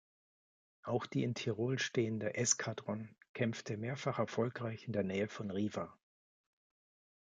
Auch die in Tirol stehende Eskadron kämpfte mehrfach erfolgreich in der Nähe von Riva.